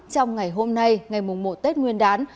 trong ngày hôm nay ngày mùng một tết nguyên đán